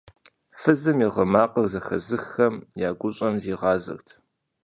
Фызым и гъы макъыр зэхэзыххэм я гущӀэм зигъазэрт.